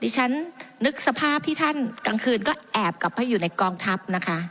ฉันนึกสภาพที่ท่านกลางคืนก็แอบกลับไปอยู่ในกองทัพนะคะ